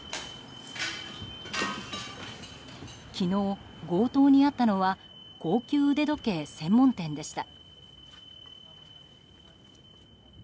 昨日、強盗に遭ったのは高級腕時計専門店でした。